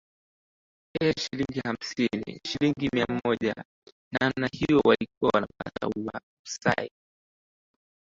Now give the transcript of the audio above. ee shilingi hamsini shilingi mia moja namna hiyo walikuwa wanapata usai